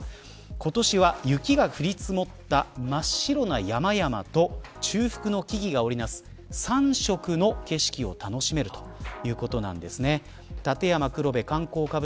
今年は雪が降り積もった真っ白な山々と中腹の木々が織りなす３色の景色を楽しめるということなんですね。